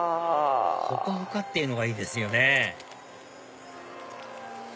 ほかほかっていうのがいいですよね